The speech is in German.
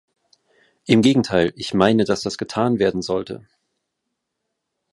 Im Gegenteil, ich meine, dass das getan werden sollte.